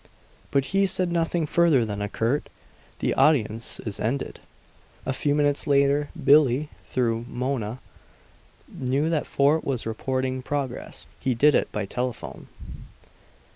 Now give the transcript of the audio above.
But he said nothing further than a curt, "The audience is ended." A few minutes later Billie, through Mona, knew that Fort was reporting progress. He did it by telephone.